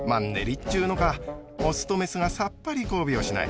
っちゅうのかオスとメスがさっぱり交尾をしない。